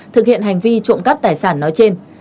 thực hiện hành vi trộm cắp tài sản nói trên